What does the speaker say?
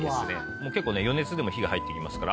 もう結構ね余熱でも火が入っていきますから。